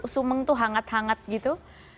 sumeng tuh hangat hangat gitu